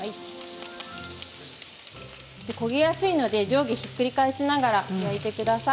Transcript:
焦げやすいので上下ひっくり返しながら焼いてください。